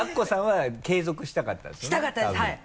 したかったですはい。